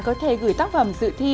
có thể gửi tác phẩm dự thi